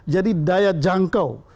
jadi daya jangkau